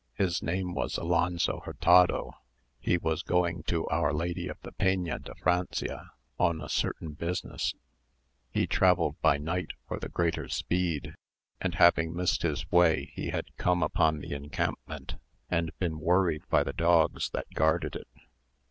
His name was Alonzo Hurtado; he was going to our Lady of the Peña de Francia, on a certain business; he travelled by night for the greater speed; and having missed his way, he had come upon the encampment, and been worried by the dogs that guarded it.